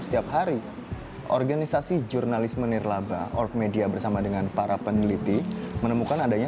setiap hari organisasi jurnalis menirlaba org media bersama dengan para peneliti menemukan adanya